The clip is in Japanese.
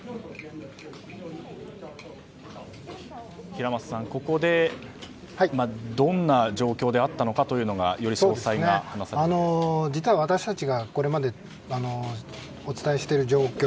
平松さん、ここでどんな状況であったのかというのが実は私たちが、これまでお伝えしている状況